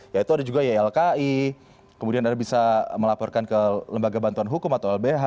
yaitu ada juga ylki kemudian ada bisa melaporkan ke lembaga bantuan hukum atau lbh